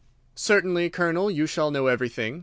"Certainly, Colonel, you shall know everything.